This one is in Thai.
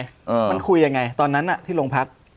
มันคุยยังไงตอนนั้นที่ลงพัก